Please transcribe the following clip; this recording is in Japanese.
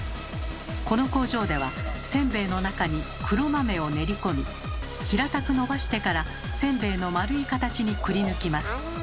この工場ではせんべいの中に黒豆を練り込み平たくのばしてからせんべいの丸い形にくりぬきます。